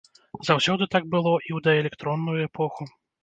Заўсёды так было, і ў даэлектронную эпоху.